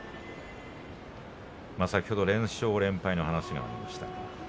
先ほど、連勝連敗の話がありました。